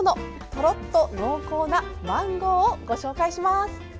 とろっと濃厚なマンゴーをご紹介します。